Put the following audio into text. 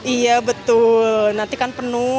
iya betul nanti kan penuh